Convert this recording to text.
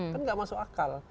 kan tidak masuk akal